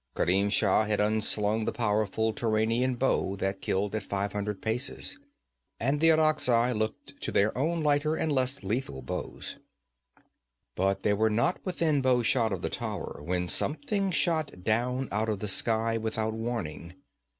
Kerim Shah had unslung the powerful Turanian bow that killed at five hundred paces, and the Irakzai looked to their own lighter and less lethal bows. But they were not within bow shot of the tower when something shot down out of the sky without warning.